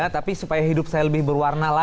tapi supaya hidup saya lebih berwarna lah